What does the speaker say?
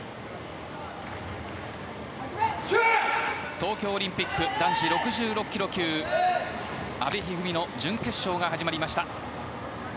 東京オリンピック男子６６ｋｇ級阿部一二三の準決勝が始まりました。